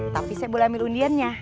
tapi saya boleh ambil undiannya